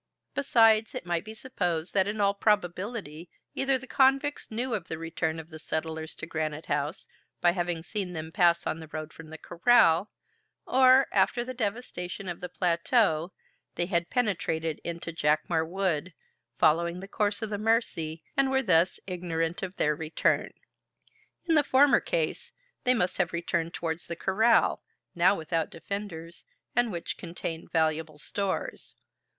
Besides, it might be supposed that in all probability either the convicts knew of the return of the settlers to Granite House, by having seen them pass on the road from the corral, or, after the devastation of the plateau, they had penetrated into Jacamar Wood, following the course of the Mercy, and were thus ignorant of their return. In the former case, they must have returned towards the corral, now without defenders, and which contained valuable stores.